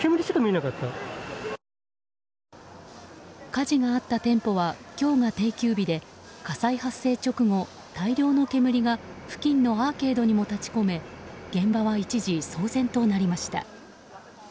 火事があった店舗は今日が定休日で火災発生直後、大量の煙が付近のアーケードにも立ち込め現場は一時騒然となりました。